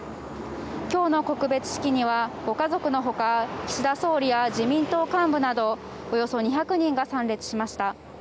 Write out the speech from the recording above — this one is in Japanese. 今日の告別式にはご家族の他岸田総理や自民党幹部などおよそ２００人が参列しました。